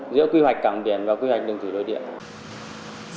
giữa quy hoạch cảng biển và quy hoạch đường thủy nội địa